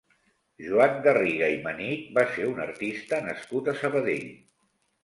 Joan Garriga i Manich va ser un artista nascut a Sabadell.